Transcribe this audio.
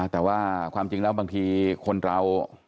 แต่ว่าความจริงแล้วบางทีคนเรา